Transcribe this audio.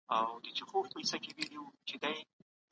موږ به ژر يووالی رامنځته کړو.